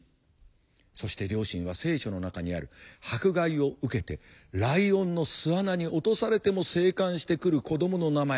そして両親は「聖書」の中にある「迫害を受けてライオンの巣穴に落とされても生還してくる子どもの名前」